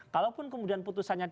kalaupun kemudian putusannya